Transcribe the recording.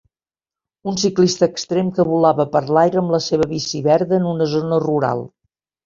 Un ciclista extrem que volava per l'aire amb la seva bici verda en una zona rural.